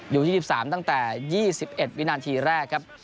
อยู่๒๓ตั้งแต่๒๑วินาทีแรกครับ